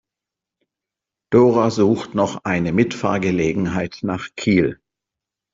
Dora sucht noch eine Mitfahrgelegenheit nach Kiel.